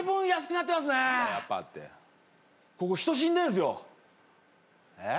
なんだよ「やっぱ」ってここ人死んでんっすよえっ？